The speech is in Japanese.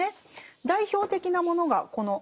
代表的なものがこの２つです。